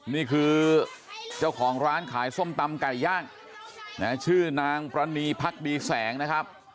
นี่คือเจ้าของร้านขายส้มตำไก่ย่างชื่อนางปรณีพักดีแสงนะครับ